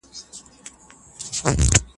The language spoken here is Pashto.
زه هره ورځ سبا ته پلان جوړوم؟